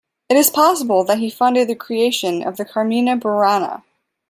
It is possible that he funded the creation of the "Carmina Burana".